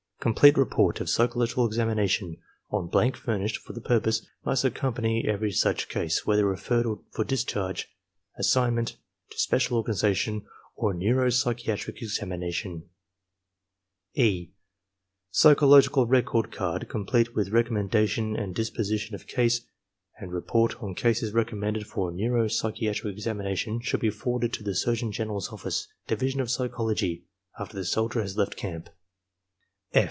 Complete report of psychological examination^ on blank furnished for the purpose, must accom 46 ARMY MENTAL TESTS pany every such case, whether referred for discharge, assign ment to special organization, or neuro psychiatric examination, (e) Psychological record card, complete with recommendation and disposition of case, and report on cases recommended for neuro psychiatric examination should be forwarded to the Surgeon GeneraPs Office, Division of Psychology, after the soldier has left camp.